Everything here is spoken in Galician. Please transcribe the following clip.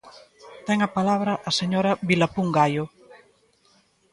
Ten a palabra a señora Vilapún Gaio.